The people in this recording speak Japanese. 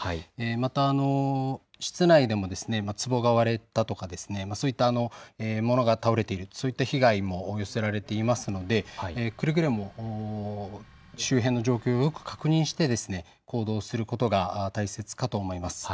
また室内でもつぼが割れたとか、そういった物が倒れている、そういう被害も寄せられていますのでくれぐれも周辺の状況をよく確認して行動することが大切かと思います。